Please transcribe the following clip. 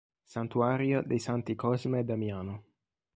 Santuario dei Santi Cosma e Damiano